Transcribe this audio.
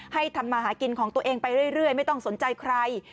ทำมาหากินของตัวเองไปเรื่อยไม่ต้องสนใจใคร